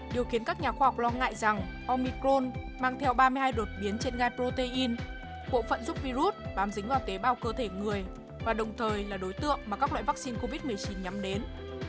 điều khiến các nhà khoa học lo ngại rằng omicrone mang theo ba mươi hai đột biến trên gai protein bộ phận giúp virus bám dính vào tế bào cơ thể người và đồng thời là đối tượng mà các loại vaccine covid một mươi chín nhắm đến